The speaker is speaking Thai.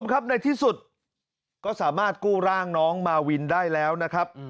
ครับในที่สุดก็สามารถกู้ร่างน้องมาวินได้แล้วนะครับ